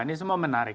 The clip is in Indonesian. ini semua menarik